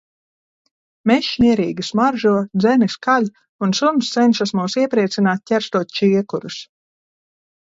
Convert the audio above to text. Mežs mierīgi smaržo, dzenis kaļ, un suns cenšas mūs iepriecināt, ķerstot čiekurus.